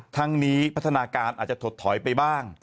ทั้งนี้พัฒนาการอาจจะถดถอยไปบ้าง